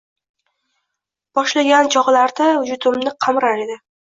boshlagan chog’larda vujudimni qamrar edi.